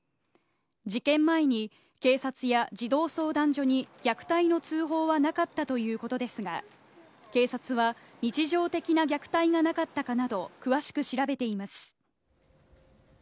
事件前に警察や児童相談所に虐待の通報はなかったということですが、警察は日常的な虐待がなかったかなど、詳しく調べています。